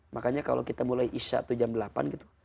makanya kalau kita mulai isya itu jam delapan gitu